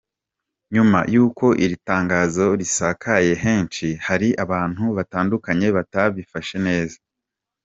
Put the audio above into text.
Nyuma y’uko iri tangazo risakaye henshi, hari abantu batandukanye batabifashe neza.